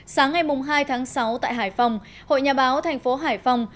sáng ngày hai tháng sáu tại hải phòng hội nhà báo thành phố hải phòng